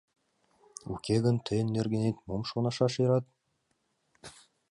Уке гын тыйын нергенет мом шонашат ӧрат!